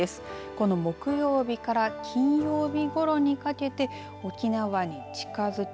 この木曜日から金曜日ごろまでにかけて沖縄に近づき